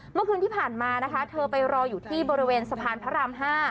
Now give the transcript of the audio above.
เมื่อคืนที่ผ่านมานะคะเธอไปรออยู่ที่บริเวณสะพานพระราม๕